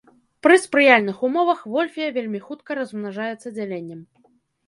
Пры спрыяльных умовах вольфія вельмі хутка размнажаецца дзяленнем.